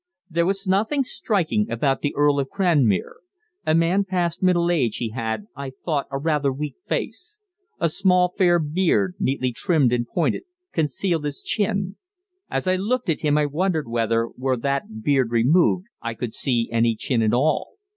There was nothing striking about the Earl of Cranmere. A man past middle age, he had, I thought a rather weak face. A small, fair beard, neatly trimmed and pointed, concealed his chin: as I looked at him I wondered whether, were that beard removed, I should see any chin at all.